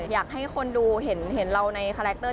อยากให้คนดูเห็นเราในคาแรคเตอร์